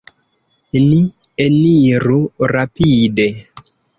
Ni eniru rapide!